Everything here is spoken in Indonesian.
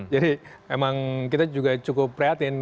jadi emang kita juga cukup perhatian